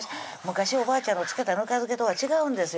昔おばあちゃんの漬けたぬか漬けとは違うんですよ